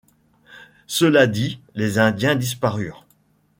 Cela dit, les Indiens disparurent.